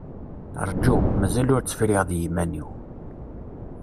Rju, mazal ur tt-friɣ d yiman-iw.